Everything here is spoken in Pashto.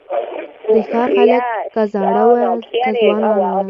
د ښار خلک که زاړه وه که ځوانان وه